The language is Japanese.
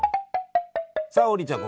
さあ王林ちゃん